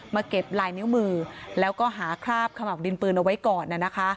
เก็บลายนิ้วมือแล้วก็หาคราบขมับดินปืนเอาไว้ก่อน